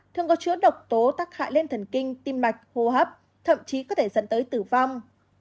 thường có chứa độc tố tắc hại lên thần kinh tim mạch hô hấp thậm chí có thể dẫn tới tử vong